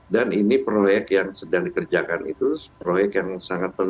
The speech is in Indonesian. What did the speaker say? dan ini proyek yang sedang dikerjakan itu proyek yang sangat